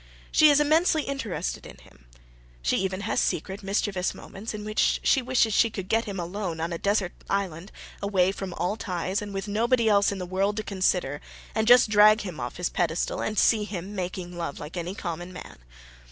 She is immensely interested in him. She has even secret mischievous moments in which she wishes she could get him alone, on a desert island, away from all ties and with nobody else in the world to consider, and just drag him off his pedestal and see him making love like any common man.